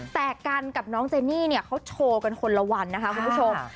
แต่กันกับน้องเจนี่เนี่ยเขาโชว์กันคนละวันนะคะคุณผู้ชม